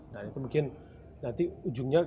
nah itu mungkin nanti ujungnya